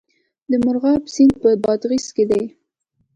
د مرغاب سیند په بادغیس کې دی